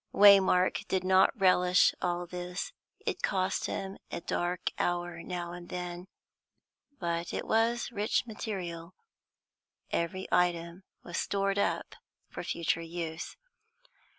Waymark did not relish all this; it cost him a dark hour now and then. But it was rich material; every item was stored up for future use.